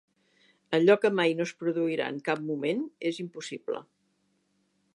Allò que mai no es produirà en cap moment és impossible.